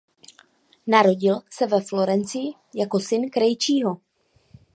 Narodil se ve Florencii jako syn krejčího.